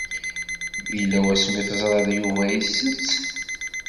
Yella wasmi i teẓriḍ Yuba isett.